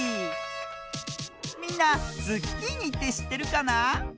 みんなズッキーニってしってるかな？